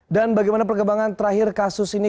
dan bagaimana perkembangan terakhir kasus ini